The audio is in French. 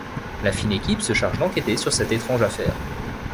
La fine équipe se charge d'enquêter sur cette étrange affaire.